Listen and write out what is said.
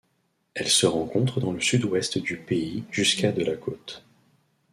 Elle se rencontre dans le sud-ouest du pays jusqu'à de la côte.